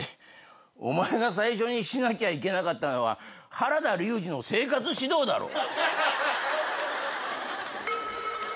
お前が最初にしなきゃいけなかったのは原田龍二の生活指導だろ！